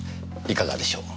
いかがでしょう